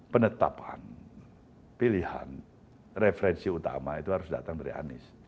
penetapan pilihan referensi utama itu harus datang dari anies